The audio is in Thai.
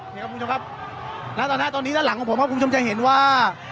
นี่ครับคุณผู้ชมครับณตอนนี้ด้านหลังของผมครับคุณผู้ชมจะเห็นว่า